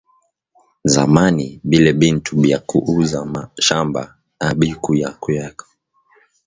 Nzamani bile bintu bya ku uza ma mashamba abiku kuyakeko